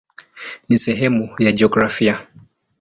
Ni sehemu ya jiografia.